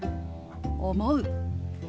「思う」。